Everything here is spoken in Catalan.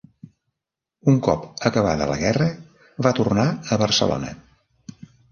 Un cop acabada la guerra, va tornar a Barcelona.